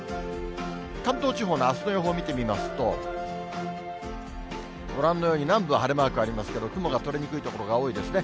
関東地方のあすの予報を見てみますと、ご覧のように、南部は晴れマークありますけど、雲が取れにくい所が多いですね。